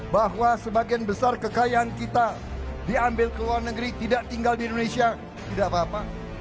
bahwa sebagian besar kekayaan kita diambil ke luar negeri tidak tinggal di indonesia tidak apa apa